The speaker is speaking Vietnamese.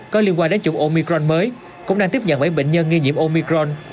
có liên quan đến chủng omicron mới cũng đang tiếp nhận bảy bệnh nhân nghi nhiễm omicron